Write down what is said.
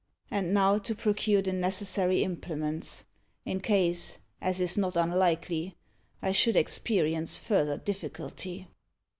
And now to procure the necessary implements, in case, as is not unlikely, I should experience further difficulty."